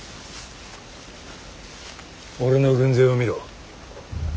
俺の軍勢を見ろ。